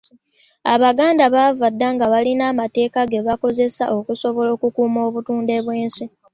Abaganda baava dda nga balina amateeka ge bakozesa okusobola okukuuma obutonde bw’ensi.